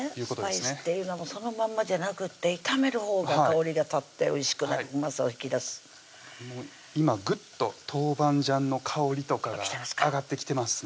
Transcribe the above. スパイスっていうのもそのまんまじゃなくって炒めるほうが香りが立っておいしくなるうまさを引き出す今ぐっと豆板醤の香りとかが上がってきてますね